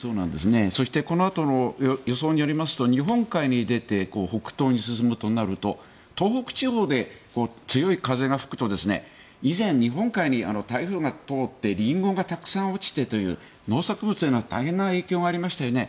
そして、このあとの予想によりますと日本海に出て北東に進むとなると東北地方で強い風が吹くと以前、日本海に台風が通ってリンゴがたくさん落ちてという農作物への大変な影響がありましたよね。